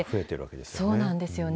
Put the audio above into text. そうなんですよね。